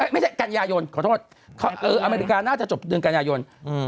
ไม่ใช่กัญญายนขอโทษอเมริกาน่าจะจบเดือนกัญญายน